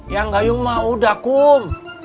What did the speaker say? ya enggak yung ma udah kum